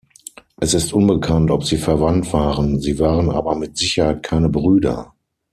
Es ist unbekannt, ob sie verwandt waren, sie waren aber mit Sicherheit keine Brüder.